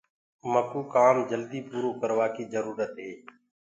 مڪوُ ڪآم جلد پورو ڪروآ ڪيٚ جرُورت هي۔